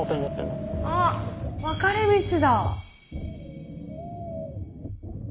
あっ分かれ道だ。